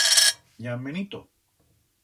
Ya han venito.